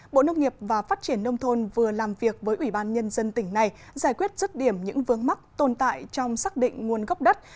bộ nông nghiệp và phát triển nông thôn vừa làm việc với ủy ban nhân dân tỉnh này giải quyết rứt điểm những vương mắc tồn tại trong xác định nguồn gốc đất